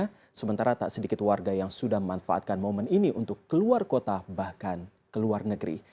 karena sementara tak sedikit warga yang sudah memanfaatkan momen ini untuk keluar kota bahkan keluar negeri